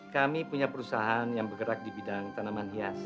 kami punya perusahaan yang bergerak di bidang tanaman hias